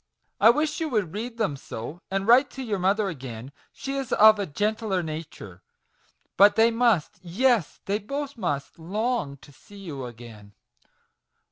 I wish you would read them so, and write to your mother again : she is of a gentler nature ; but they must yes, they both must, long to see you again!